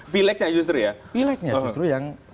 pileknya justru ya pilegnya justru yang